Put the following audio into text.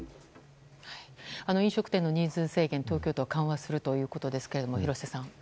飲食店の人数制限、東京都は緩和するということですけれども廣瀬さん。